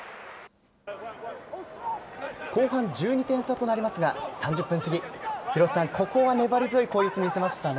後半１２点差となりますが、３０分過ぎ、廣瀬さん、ここは粘り強い攻撃、見せましたね。